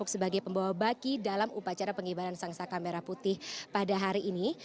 sebagai pembawa baki dalam upacara pengibaran sangsa kamera putih pada hari ini